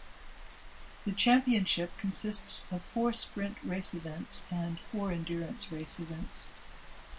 The Championship consists of four Sprint race events and four Endurance race events.